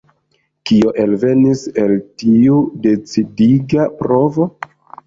Kio elvenos el tiu decidiga provo?